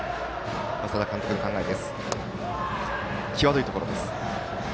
稙田監督の考えです。